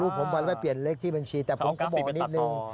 อ๋อรูปผมไปเปลี่ยนเลขที่บัญชีแต่ผมก็บอกนิดหนึ่ง